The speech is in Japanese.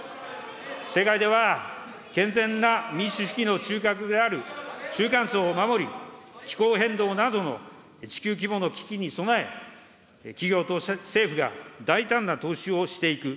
世界では健全な民主主義の中核である、中間層を守り、気候変動などの地球規模の危機に備え、企業と政府が大胆な投資をしていく。